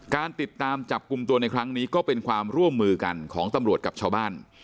การติดตามจับกลุ่มตัวในครั้งนี้ก็เป็นความร่วมมือกันของตำรวจกับชาวบ้าน